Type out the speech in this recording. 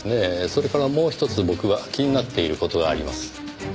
それからもうひとつ僕は気になっている事があります。